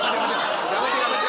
やめてやめて。